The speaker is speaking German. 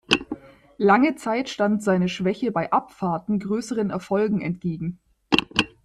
Lange Zeit stand seine Schwäche bei Abfahrten größeren Erfolgen entgegen.